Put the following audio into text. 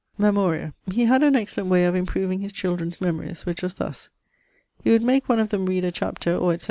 ☞ Memoria. He had an excellent way of improving his children's memories, which was thus: he would make one of them read a chapter or &c.